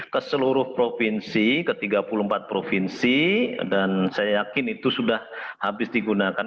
ke seluruh provinsi ke tiga puluh empat provinsi dan saya yakin itu sudah habis digunakan